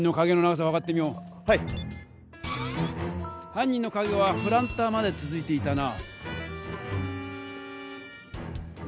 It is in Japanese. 犯人の影はプランターまでつづいていたな。